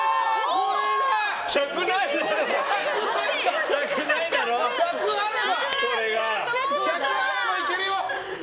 これが１００あればいけるよ！